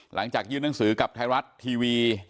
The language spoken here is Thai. หลังจากยื่นหนังสือกับไทยรัฐทีวี